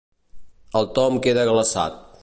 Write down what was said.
El Tom queda glaçat.